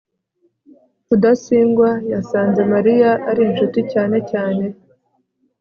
rudasingwa yasanze mariya ari inshuti cyane cyane